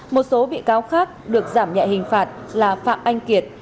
một số bị cáo khác được giảm nhẹ hình phạt là phạm anh kiệt